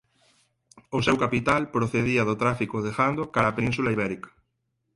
O seu capital procedía do tráfico de gando cara á Península Ibérica.